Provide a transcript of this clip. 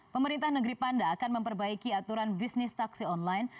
pemerintah negeri panda akan memperbaiki aturan bisnis taksi online